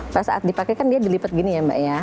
pada saat dipakai kan dia dilipat gini ya mbak ya